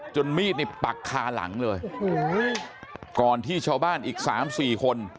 มีดนี่ปักคาหลังเลยโอ้โหก่อนที่ชาวบ้านอีกสามสี่คน